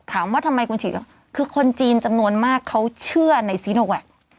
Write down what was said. ถามว่าทำไมคุณฉีดคือคนจีนจำนวนมากเขาเชื่อในซีโนแวค